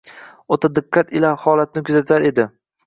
o‘ta diqqat ila holatni kuzatar edi.